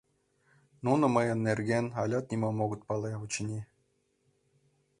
Нуно мыйын нерген алят нимом огыт пале, очыни».